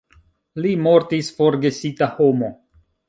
Li mortis forgesita homo.